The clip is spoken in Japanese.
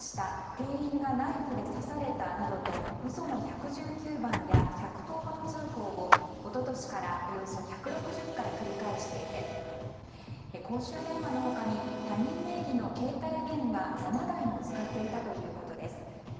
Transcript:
店員がナイフで刺されたなどと嘘の１１９番や１１０番通報を一昨年からおよそ１６０回繰り返していて公衆電話の他に他人名義の携帯電話７台も使っていたということです。